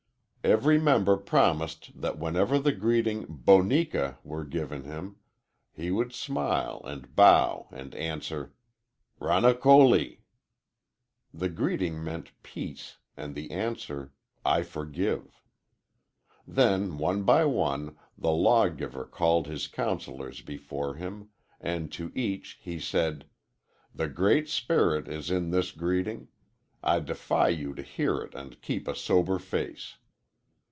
Every member promised that whenever the greeting 'Boneka' were given him, he would smile and bow and answer, 'Ranokoli.' The greeting meant 'Peace,' and the answer, 'I forgive.' "Then, one by one, the law giver called his councillors before him, and to each he said: 'The Great Spirit is in this greeting. I defy you to hear it and keep a sober face.'